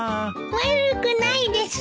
悪くないです。